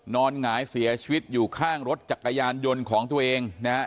หงายเสียชีวิตอยู่ข้างรถจักรยานยนต์ของตัวเองนะฮะ